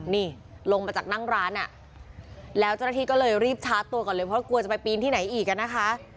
นี่ลงมาจากนั่งร้านอ่ะแล้วจะทิ้งก็เลยรีบทัศน์ตัวก่อนเลยเพราะกลัวจะไปพริ่งที่ไหนอีกกันนะคะ